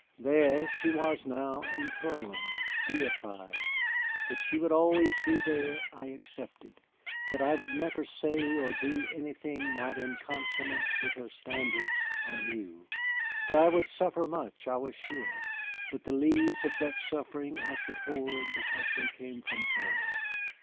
There she was now enthroned, deified; that she would always be there I accepted. That I would never say or do anything not in consonance with her standards I knew. That I would suffer much I was sure, but the lees of that suffering I should hoard because they came from her.